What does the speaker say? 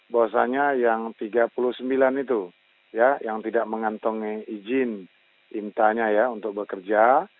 bahwasannya yang tiga puluh sembilan itu yang tidak mengantongi izin imtanya untuk bekerja